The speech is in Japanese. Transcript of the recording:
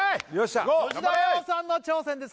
吉田羊さんの挑戦です